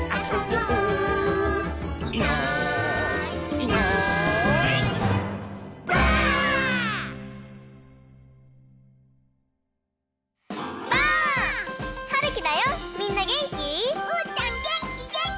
うーたんげんきげんき！